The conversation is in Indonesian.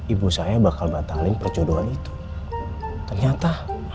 ibu saya bakal batalin percodoan itu ternyata